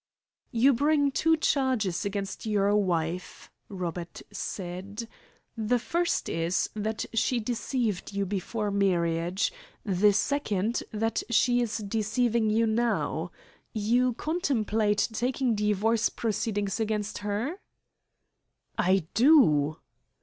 "You bring two charges against your wife," Robert said. "The first is that she deceived you before marriage; the second that she is deceiving you now. You contemplate taking divorce proceedings against her?" "I do."